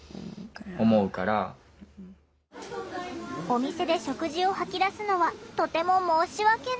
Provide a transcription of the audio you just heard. お店で食事を吐き出すのはとても申し訳ない。